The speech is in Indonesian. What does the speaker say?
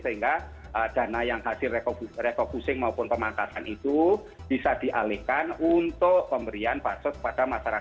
sehingga dana yang hasil refocusing maupun pemangkatan itu bisa dialihkan untuk pemberian bahan sos